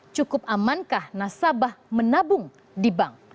cukup amankah nasabah menabung di bank